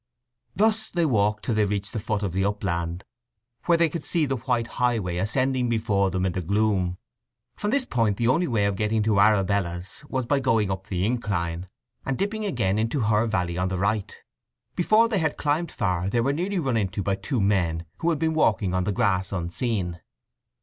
Thus they walked till they reached the foot of the upland, where they could see the white highway ascending before them in the gloom. From this point the only way of getting to Arabella's was by going up the incline, and dipping again into her valley on the right. Before they had climbed far they were nearly run into by two men who had been walking on the grass unseen.